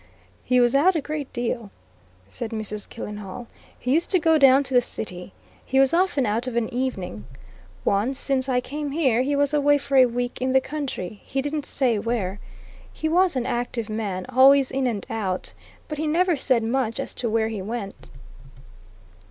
"He was out a great deal," said Mrs. Killenhall. "He used to go down to the City. He was often out of an evening. Once, since I came here, he was away for a week in the country he didn't say where. He was an active man always in and out. But he never said much as to where he went."